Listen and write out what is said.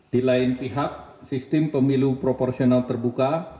di lain pihak sistem pemilu proporsional terbuka